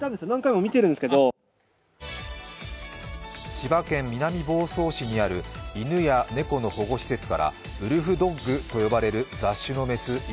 千葉県南房総市にある犬や猫の保護施設からウルフドッグと呼ばれる雑種の雌、犬